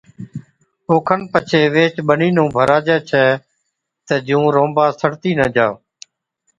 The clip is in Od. او کن ڇي ويهچ ٻنِي نُون ڀراجَي ڇَي تہ جُون رونبا سَڙتِي نہ جا۔